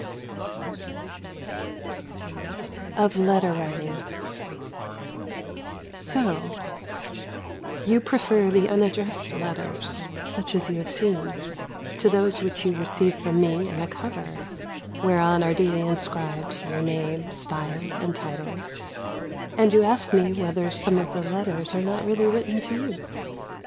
IX OF LETTER WRITING So you prefer the unaddressed letters, such as you have seen, to those which you receive from me in a cover, whereon are duly inscribed your name, style, and titles, and you ask me whether some of the letters are not really written to you.